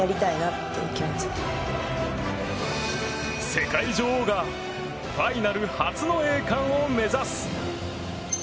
世界女王がファイナル初の栄冠を目指す。